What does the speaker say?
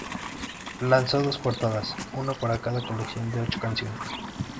Lanzó dos portadas, una para cada colección de ocho canciones.